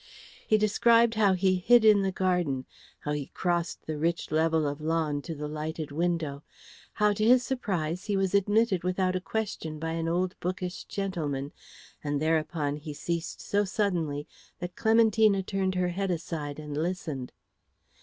He described how he hid in the garden, how he crossed the rich level of lawn to the lighted window, how to his surprise he was admitted without a question by an old bookish gentleman and thereupon he ceased so suddenly that Clementina turned her head aside and listened.